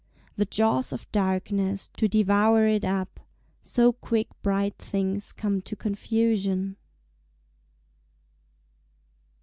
The jaws of darkness do devour it up: So quick bright things come to confusion.